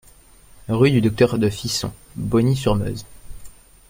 Rue du Docteur de Fisson, Bogny-sur-Meuse